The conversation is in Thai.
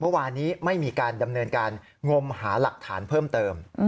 เมื่อวานนี้ไม่มีการดำเนินการงมหาหลักฐานเพิ่มเติม